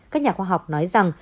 các nhà khoa học nói rằng